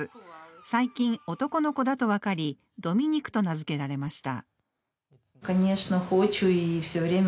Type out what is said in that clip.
最近、男の子だと分かり、ドミニクと名づけられました。